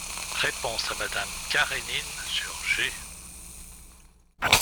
Réponse à Madame Karénine sur G.